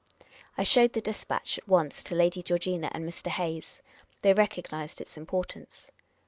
I showed the despatch at once to Lady Georgina and Mr. Hayes. They recognised its importance.